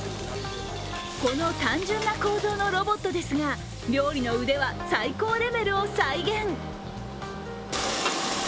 この単純な構造のロボットですが料理の腕は最高レベルを再現。